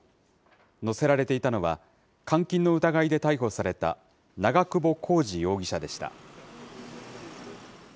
乗せられていたのは、監禁の疑いで逮捕された長久保浩二容疑者でした。